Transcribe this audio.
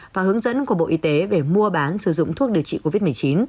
và hướng dẫn của bộ y tế về mua bán sử dụng thuốc điều trị covid một mươi chín